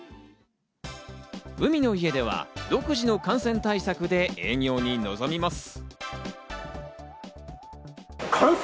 海の家では独自の感染対策で営業に臨みます。